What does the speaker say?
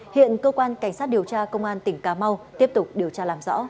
hiện cơ quan cảnh sát điều tra công an tỉnh cà mau tiếp tục điều tra làm rõ